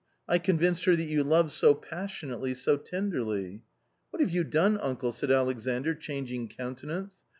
I convinced her that you love so passionately, so tenderly. ,," What have you done, uncle !" said Alexandr, changing countenance.